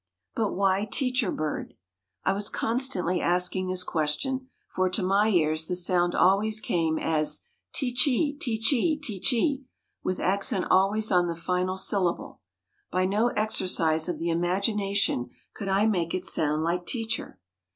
But why "teacher" bird? I was constantly asking this question, for to my ears the sound always came as ti chee, ti chee, ti chee, with accent always on the final syllable. By no exercise of the imagination could I make it sound like "teacher."